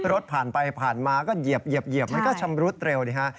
รถผ่านไปผ่านมาก็เหยียบมันก็ชำรุดเร็วดิฮะ